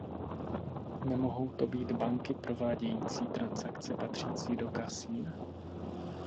Nemohou to být banky provádějící transakce patřící do kasin?